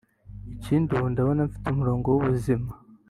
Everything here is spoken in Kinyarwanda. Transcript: Ikindi ubu ndabona mfite umurongo w’ubuzima